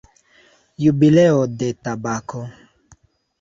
Jubileo de tabako.